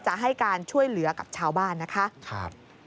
จะให้การช่วยเหลือกับชาวบ้านนะคะ